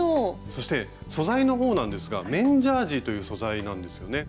そして素材の方なんですが綿ジャージーという素材なんですよね？